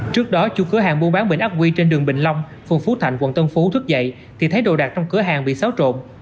trước đó chú cửa hàng buôn bán bệnh ác huy trên đường bình long phường phú thạnh quận tân phú thức dậy thì thấy đồ đặt trong cửa hàng bị xáo trộn